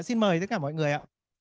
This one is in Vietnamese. xin mời tất cả mọi người ạ